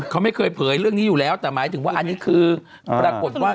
เขาไม่เคยเผยเรื่องดนตรีอยู่แต่หมายถึงว่าอันนี้คือประดกรรมความ